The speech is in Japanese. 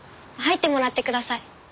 入ってもらってください。